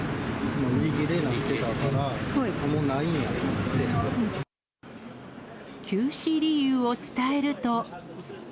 売り切れになってたから、休止理由を伝えると。